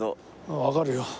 わかるよ。